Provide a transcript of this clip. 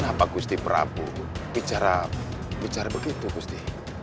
kenapa gusti prabu bicara begitu gusti